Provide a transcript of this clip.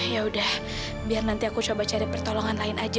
yaudah biar nanti aku coba cari pertolongan lain aja